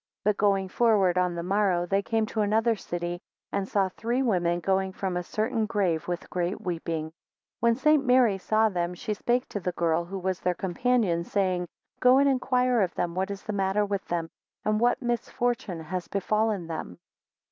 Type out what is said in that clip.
5 But going forward on the morrow, they came to another city, and saw three women going from a certain grave with great weeping. 6 When St. Mary saw them, she spake to the girl who was their companion, saying, Go and inquire of them, what is the matter with them, and what misfortune has befallen them?